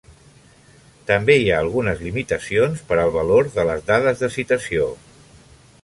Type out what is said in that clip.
També hi ha algunes limitacions per al valor de les dades de citació.